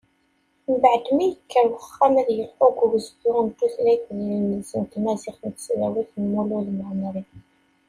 Mbeɛd mi yekker uxxam ad yelḥu deg ugezdu n tutlayt d yidles n tmaziɣt n tesdawit n Mulud Mɛemmeri.